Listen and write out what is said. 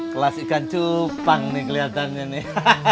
kelas ikan cupang nih kelihatannya nih